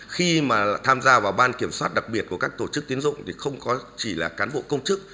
khi mà tham gia vào ban kiểm soát đặc biệt của các tổ chức tiến dụng thì không chỉ là cán bộ công chức